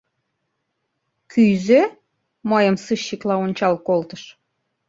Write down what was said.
«Кӱзӧ? — мыйым сыщикла ончал колтыш.